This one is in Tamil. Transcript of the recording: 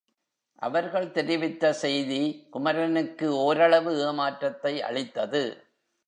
அவர்கள் தெரிவித்த செய்தி குமரனுக்கு ஓரளவு ஏமாற்றத்தை அளித்தது.